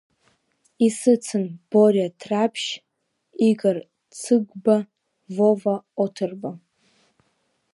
Исыцын Бориа Ҭраԥшь, Игор Цыгәба, Вова Оҭырба.